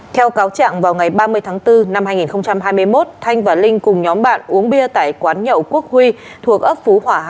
theo cáo trạng vào ngày ba mươi tháng bốn năm hai nghìn hai mươi một thanh và linh cùng nhóm bạn uống bia tại quán nhậu quốc huy thuộc ấp phú hỏa hai